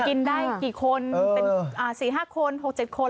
กินได้กี่คนเป็น๔๕คน๖๗คน